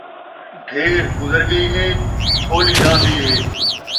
ڈھیر گزر ڳئی ہے تھولی رہن٘دی ہے